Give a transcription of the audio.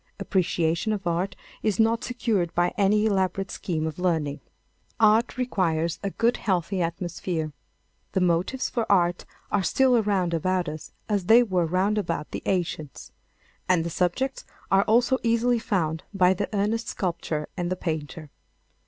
Appreciation of art is not secured by any elaborate scheme of learning. Art requires a good healthy atmosphere. The motives for art are still around about us as they were round about the ancients. And the subjects are also easily found by the earnest sculptor and the painter.